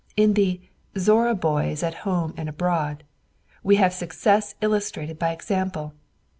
In the "Zorra Boys at Home and Abroad" we have success illustrated by example.